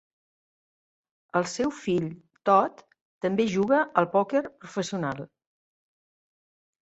El seu fill, Todd, també juga al pòquer professional.